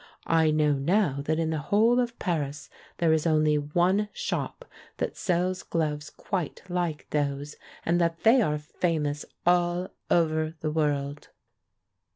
I know now that in the whole of Paris there is only one shop that sells gloves quite like those; and that they are famous all over the world.